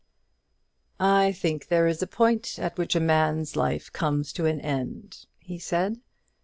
"I think there is a point at which a man's life comes to an end," he said.